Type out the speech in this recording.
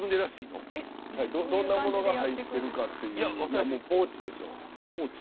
どんなものが入っているのかっていう。